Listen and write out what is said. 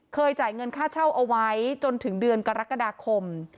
จ่ายเงินค่าเช่าเอาไว้จนถึงเดือนกรกฎาคม